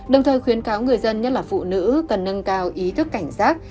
đồng thời khuyến cáo người dân nhất là phụ nữ cần nâng cao ý thức cảnh giác